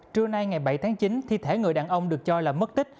trưa nay ngày bảy tháng chín thi thể người đàn ông được cho là mất tích